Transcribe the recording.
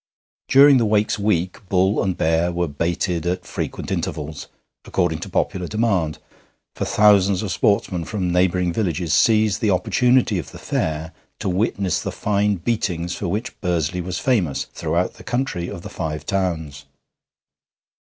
During the Wakes week bull and bear were baited at frequent intervals, according to popular demand, for thousands of sportsmen from neighbouring villages seized the opportunity of the fair to witness the fine beatings for which Bursley was famous throughout the country of the Five Towns.